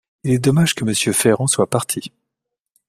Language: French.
Il est dommage que Monsieur Ferrand soit parti.